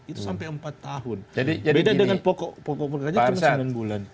itu sampai empat tahun beda dengan pokok pokok pekerjanya cuma sembilan bulan